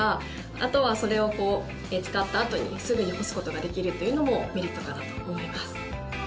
あとは、それを使ったあとにすぐ干すことができるというのもメリットかなと思います。